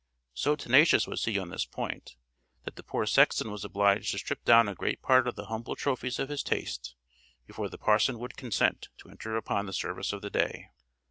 So tenacious was he on this point, that the poor sexton was obliged to strip down a great part of the humble trophies of his taste, before the parson would consent to enter upon the service of the day.